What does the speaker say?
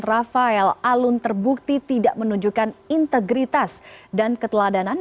rafael alun terbukti tidak menunjukkan integritas dan keteladanan